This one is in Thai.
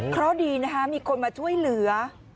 เพราะดีนะคะมีคนมาช่วยเหลือ